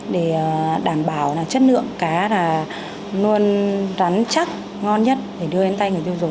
để đảm bảo là chất lượng cá là luôn rắn chắc ngon nhất để đưa đến tay người tiêu dùng